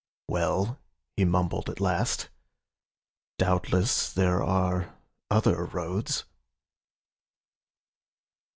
"Well," he mumbled at last,"Doubtless there are other roads."